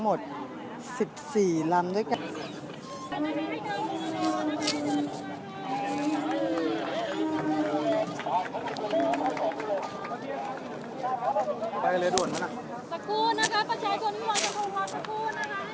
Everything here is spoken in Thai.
สวัสดีครับทุกคน